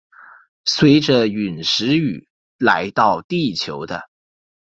随着殒石雨来到地球的。